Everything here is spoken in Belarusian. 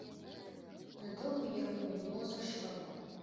Дадому ехаць не было за што.